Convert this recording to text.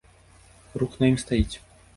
Рух на ім стаіць.